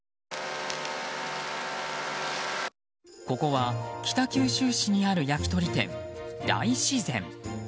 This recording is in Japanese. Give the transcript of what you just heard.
ここは北九州市にある焼き鳥店、大自然。